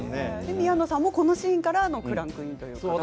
宮野さんはこのシーンからのクランクインで。